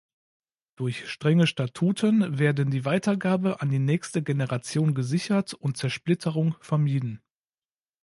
Durch strenge Statuten werden die Weitergabe an die nächste Generation gesichert und Zersplitterung vermieden.